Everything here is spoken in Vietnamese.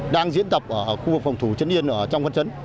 đang diễn tập ở khu vực phòng thủ trấn yên ở trong vật chất